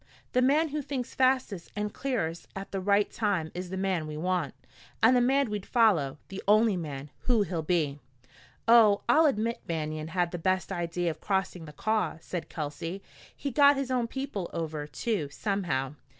The man who thinks fastest and clearest at the right time is the man we want, and the man we'd follow the only man. Who'll he be?" "Oh, I'll admit Banion had the best idea of crossing the Kaw," said Kelsey. "He got his own people over, too, somehow."